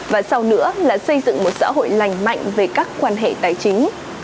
và sau nữa là xây dựng một xã hội lành mạnh về các quan hệ tài chính